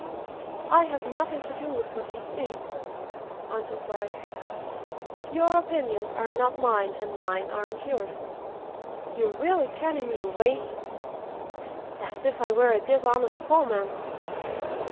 "I have nothing to do with what you see," answered Bryce. "Your opinions are not mine, and mine aren't yours. You're really turning me away as if I were a dishonest foreman!